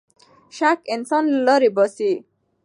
شک انسان له لارې باسـي.